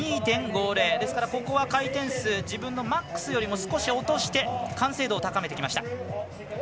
ここは回転数自分のマックスよりも少し落として完成度を高めてきました。